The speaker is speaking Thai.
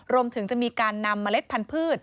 รวมถึงจะมีการนำเมล็ดพันธุ์